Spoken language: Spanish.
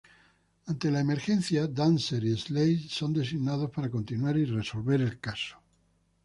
Ante la emergencia, Dancer y Slate son designados para continuar y resolver el caso.